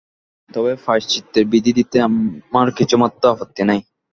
তবে প্রায়শ্চিত্তের বিধি দিতে আমার কিছুমাত্র আপত্তি নাই।